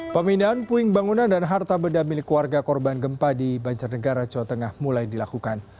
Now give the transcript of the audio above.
pemindahan puing bangunan dan harta benda milik warga korban gempa di banjarnegara jawa tengah mulai dilakukan